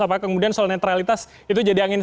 apakah kemudian soal netralitas itu jadi angin